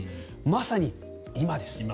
まさに今です。